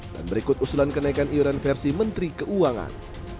dan berikut usulan kenaikan iuran versi menteri keuangan